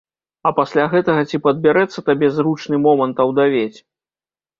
А пасля гэтага ці падбярэцца табе зручны момант аўдавець?